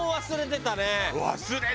忘れてた！